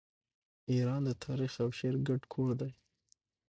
ایران د تاریخ او شعر ګډ کور دی.